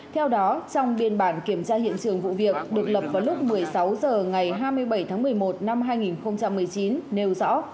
theo đó trong biên bản kiểm tra hiện trường vụ việc được lập vào lúc một mươi sáu h ngày hai mươi bảy tháng một mươi một năm hai nghìn một mươi chín nêu rõ